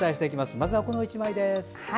まずはこの１枚です。